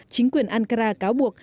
chính quyền ankara cáo buộc